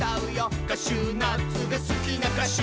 「カシューナッツがすきなかしゅ」